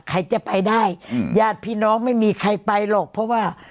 ใครจะไปได้ญาติพี่น้องไม่มีใครไปหรอกเพราะว่า